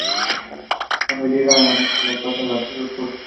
Cuando llega la noche el color pasa a ser un azul oscuro.